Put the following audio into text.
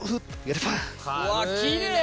うわっきれい。